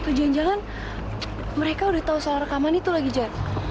tuh jangan jangan mereka udah tahu soal rekaman itu lagi sya